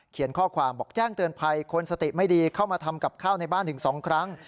ข้อความบอกแจ้งเตือนภัยคนสติไม่ดีเข้ามาทำกับข้าวในบ้านถึง๒ครั้ง